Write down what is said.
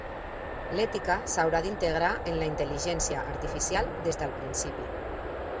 L'ètica s'haurà d'integrar en la intel·ligència artificial des del principi.